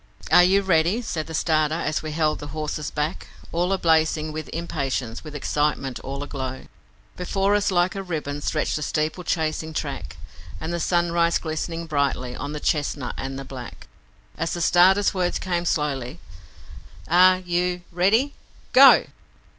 'Are you ready?' said the starter, as we held the horses back, All ablazing with impatience, with excitement all aglow; Before us like a ribbon stretched the steeplechasing track, And the sun rays glistened brightly on the chestnut and the black As the starter's words came slowly, 'Are you ready? Go!'